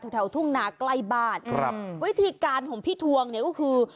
แถวทุ่งหนาใกล้บ้านวิธีการของพี่ทวงก็คือ